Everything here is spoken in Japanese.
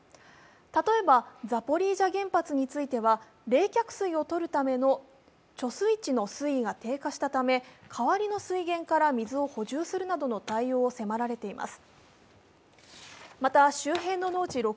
例えばザポリージャ原発については冷却水をとるための貯水池の水位が低下したため代わりの水源から水を補充するなどの対応を迫られています。